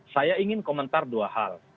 saya ingin komentar dua hal